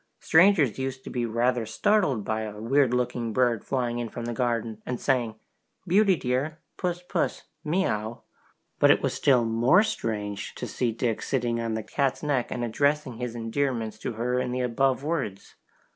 Strangers used to be rather startled by a weird looking bird flying in from the garden, and saying, "Beauty dear, puss, puss, miaow!" But it was still more strange to see Dick sitting on the cat's back and addressing his endearments to her in the above words.